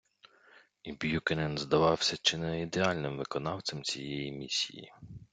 І Б’юкенен здавався чи не ідеальним виконавцем цієї місії.